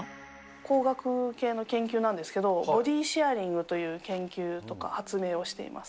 工学系の研究なんですけど、ボディシェアリングという研究とか、発明をしています。